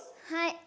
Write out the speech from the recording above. はい。